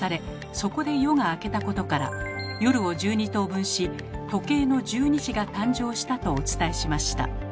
そこで夜が明けたことから夜を１２等分し時計の１２時が誕生したとお伝えしました。